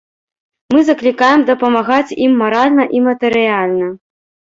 Мы заклікаем дапамагаць ім маральна і матэрыяльна.